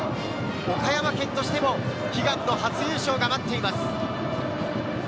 岡山県としても悲願の初優勝が待っています。